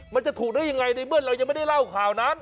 มันจะถูกได้ยังไงในเมื่อเรายังไม่ได้เล่าข่าวนั้น